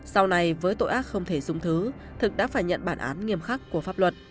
sau này với tội ác không thể dùng thứ thực đã phải nhận bản án nghiêm khắc của pháp luật